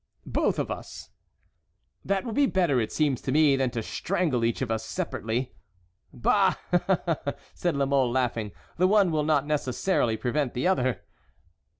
"Both of us." "That will be better, it seems to me, than to strangle each of us separately." "Bah!" said La Mole, laughing, "the one will not necessarily prevent the other."